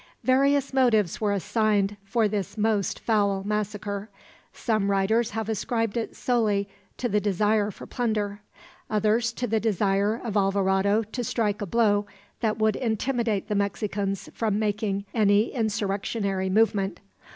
Various motives were assigned for this most foul massacre. Some writers have ascribed it solely to the desire for plunder; others to the desire of Alvarado to strike a blow that would intimidate the Mexicans from making any insurrectionary movement.